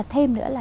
thế và thêm nữa là